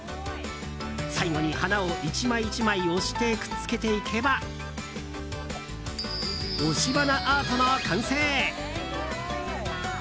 最後に花を１枚１枚押してくっつけていけば押し花アートの完成。